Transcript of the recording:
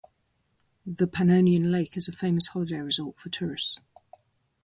The Panonian lake is a famous holiday resort for tourists.